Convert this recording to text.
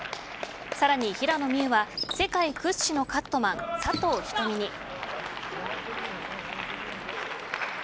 さらに平野美宇は世界屈指のカットマン佐藤瞳に。